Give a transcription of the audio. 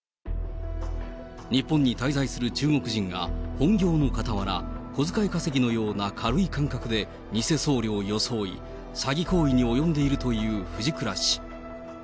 日本に滞在する中国人が、本業のかたわら、小遣い稼ぎのような軽い感覚で偽僧侶を装い、詐欺行為に及んでいるという藤倉氏。